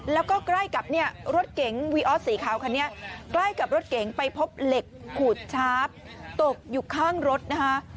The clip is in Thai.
แล้วก็ใกล้กับเนี่ยรถเก๋งวีออสสีขาวคันนี้ใกล้กับรถเก๋งไปพบเหล็กขูดชาร์ฟตกอยู่ข้างรถนะคะ